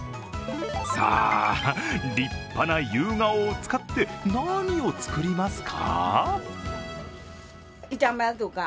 さあ、立派な夕顔を使って、何を作りますか？